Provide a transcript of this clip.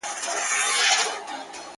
ستا شاعرۍ ته سلامي كومه~